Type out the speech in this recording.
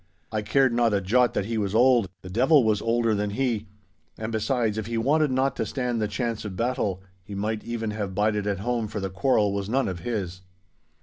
I cared not a jot that he was old. The devil was older than he, and besides, if he wanted not to stand the chance of battle, he might even have bided at home for the quarrel was none of his.